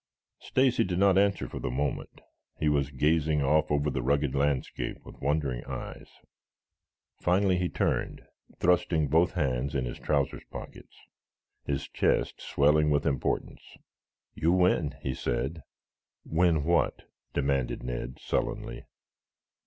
Stacy did not answer for the moment. He was gazing off over the rugged landscape with wondering eyes. Finally he turned, thrusting both hands in his trousers pockets, his chest swelling with importance. "You win," he said. "Win what?" demanded Ned sullenly.